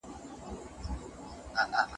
د ملت د بوختولو لپاره لاري لټول کیږي.